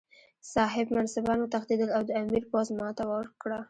صاحب منصبان وتښتېدل او د امیر پوځ ماته وکړه.